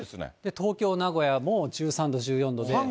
東京、名古屋も１３度、１４度で。